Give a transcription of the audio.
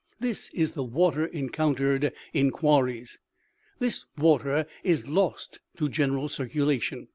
This is the water encountered in quarries. " This water is lost to general circulation.